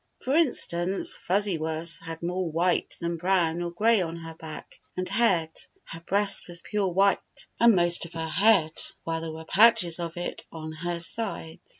For instance. Fuzzy Wuzz had more white than brown or gray on her back and head. Her breast was pure white, and most of her head, while there were patches of it on her sides.